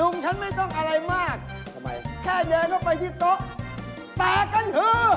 ลุงฉันไม่ต้องอะไรมากแค่เดินเข้าไปที่โต๊ะตากันฮือ